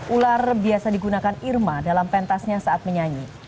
ular biasa digunakan irma dalam pentasnya saat menyanyi